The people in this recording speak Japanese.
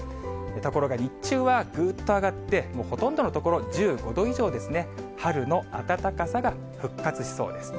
ところが日中はぐーっと上がって、もうほとんどの所、１５度以上ですね、春の暖かさが復活しそうです。